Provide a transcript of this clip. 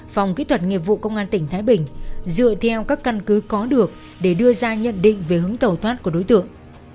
phòng kỹ thuật nghiệp vụ công an tỉnh thái bình dựa theo các căn cứ có được để đưa ra nhận định về hướng tàu thoát của đối tượng